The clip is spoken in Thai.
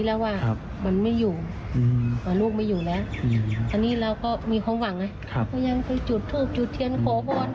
บอกว่าเขาจะขึ้นเรือแล้วนะมันจะไม่มีสัญญาณจะไม่ได้คุยกัน